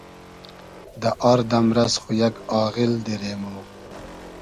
دۂ آر دئمرئس خو یئگ آغیل دیرې مۉ